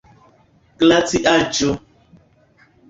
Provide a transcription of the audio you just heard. glaciaĵo